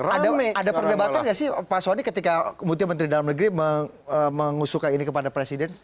ada perdebatan nggak sih pak soni ketika menteri dalam negeri mengusulkan ini kepada presiden